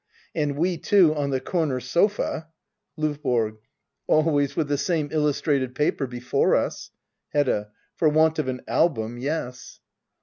And we two on the comer sofa LdVBORO. Always with the same illustrated paper before Hedda. For want of an album, yes.